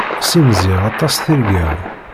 Ssimẓiɣ aṭas tirga-w.